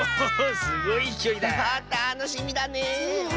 たのしみだねえ！